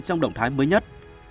trong các động thái mới nhất